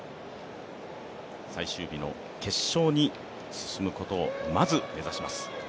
最終日の決勝に進むことをまず目指します。